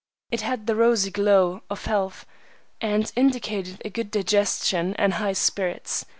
It had the rosy glow of health, and indicated a good digestion and high spirits.